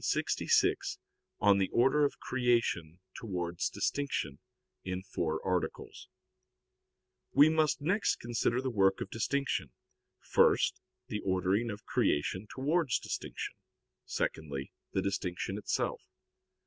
_______________________ QUESTION 66 ON THE ORDER OF CREATION TOWARDS DISTINCTION (In Four Articles) We must next consider the work of distinction; first, the ordering of creation towards distinction; secondly, the distinction itself.